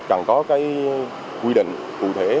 cần có cái quy định cụ thể